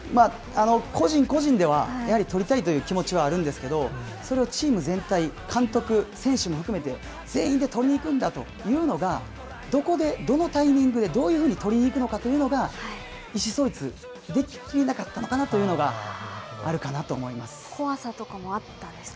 個人個人では、やはり取りたいという気持ちはあるんですけど、それをチーム全体、監督、選手も含めて全員で取りにいくんだというのが、どこでどのタイミングで、どういうふうに取りにいくのかというのが、意思疎通でききれなかったのかなというのがあるかなと怖さとかもあったんですか？